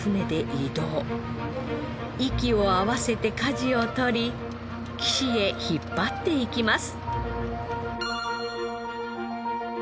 息を合わせて舵を取り岸へ引っ張っていきます。